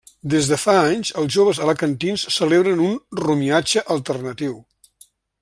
Des de fa anys, els joves alacantins celebren un romiatge alternatiu.